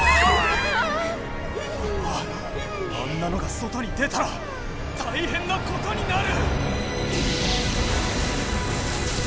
あんなのが外に出たらたいへんなことになる！